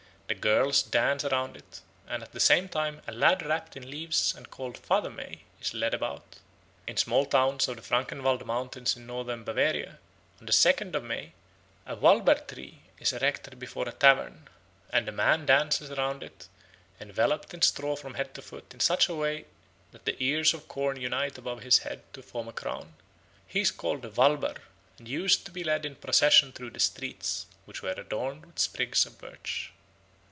The girls dance round it, and at the same time a lad wrapt in leaves and called Father May is led about. In the small towns of the Franken Wald mountains in Northern Bavaria, on the second of May, a Walber tree is erected before a tavern, and a man dances round it, enveloped in straw from head to foot in such a way that the ears of corn unite above his head to form a crown. He is called the Walber, and used to be led in procession through the streets, which were adorned with sprigs of birch.